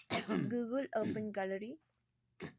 Google Open Gallery